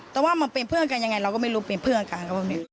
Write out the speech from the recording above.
แต่ว่ามันเป็นเพื่อนกันยังไงเราก็ไม่รู้เป็นเพื่อนกันพวกนี้